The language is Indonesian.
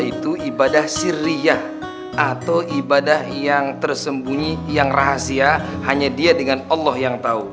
itu ibadah syriyah atau ibadah yang tersembunyi yang rahasia hanya dia dengan allah yang tahu